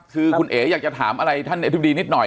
คือคุณเอ๋อยากจะถามอะไรท่านอธิบดีนิดหน่อย